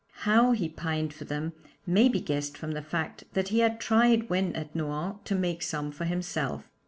How he pined for them may be guessed from the fact that he had tried when at Nohant to make some for himself.